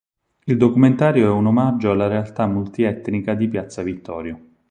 Il documentario è un omaggio alla realtà multietnica di piazza Vittorio.